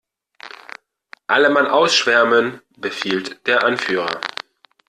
"Alle Mann ausschwärmen!", befiehlt der Anführer.